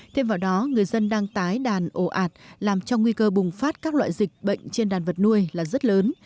thêm vào đó người dân đang tái đàn ổ ạt làm cho nguy cơ bùng phát các loại dịch bệnh trên đàn vật nuôi là rất lớn